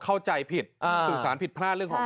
เข้าใจผิดสื่อสารผิดพลาดเรื่องของ